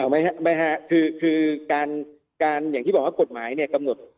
ไม่ฮะคือการอย่างที่บอกว่ากฎหมายเนี่ยกำหนด